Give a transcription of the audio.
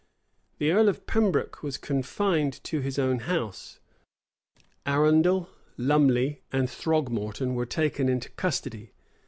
[] The earl of Pembroke was confined to his own house: Arundel, Lumley, and Throgmorton were taken into custody.